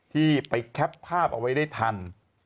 ที่ไปแคปภาพเอาไว้ได้ทัน